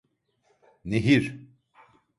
Nehir…